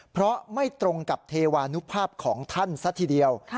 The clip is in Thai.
เพราะไม่ตรงกับเทวานุภาพของท่านซะทีเดียว